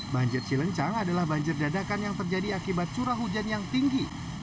banjir cilencang adalah banjir dadakan yang terjadi akibat curah hujan yang tinggi